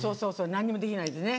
何にもできないでね。